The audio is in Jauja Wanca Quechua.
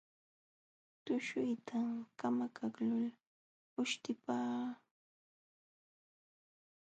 Tushuyta kamakaqlul uśhtipakuśhunñaq.